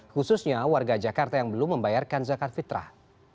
khususnya warga jakarta yang belum membayarkan zakat fitrah